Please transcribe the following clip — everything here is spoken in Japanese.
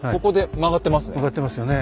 曲がってますよね